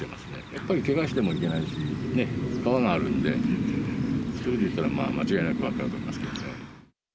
やっぱりけがしてもいけないしね、川があるんで、１人でいたら間違いなく分かると思いますね。